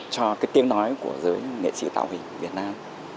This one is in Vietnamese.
cho cái tiếng nói của giới nghệ sĩ tạo hình việt nam